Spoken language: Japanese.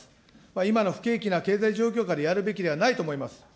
今の不景気な経済状況下でやるべきではないと思います。